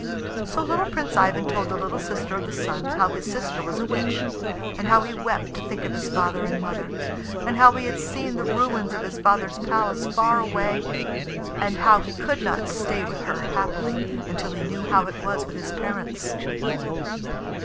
So little Prince Ivan told the little sister of the Sun how his sister was a witch, and how he wept to think of his father and mother, and how he had seen the ruins of his father's palace far away, and how he could not stay with her happily until he knew how it was with his parents.